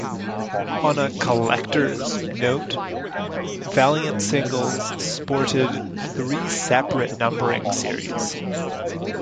On a collectors note, Valiant singles sported three separate numbering series.